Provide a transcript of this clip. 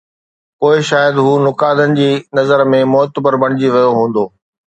پوءِ شايد هو نقادن جي نظر ۾ معتبر بڻجي ويو هوندو.